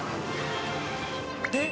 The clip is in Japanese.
えっ？